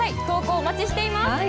投稿お待ちしています。